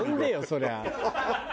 そりゃ。